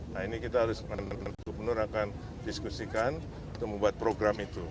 nah ini kita harus gubernur akan diskusikan untuk membuat program itu